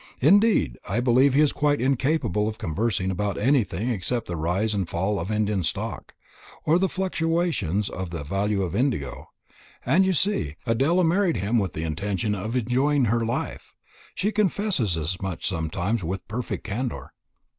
Indeed, I believe he is quite incapable of conversing about anything except the rise and fall of Indian stock, or the fluctuations in the value of indigo. And, you see, Adela married him with the intention of enjoying her life. She confesses as much sometimes with perfect candour."